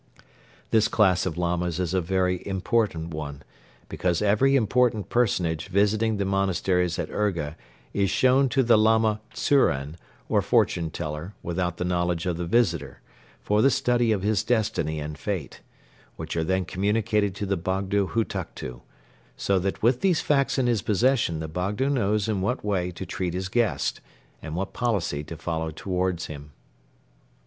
This class of Lamas is a very important one, because every important personage visiting the monasteries at Urga is shown to the Lama Tzuren or fortune teller without the knowledge of the visitor for the study of his destiny and fate, which are then communicated to the Bogdo Hutuktu, so that with these facts in his possession the Bogdo knows in what way to treat his guest and what policy to follow toward him.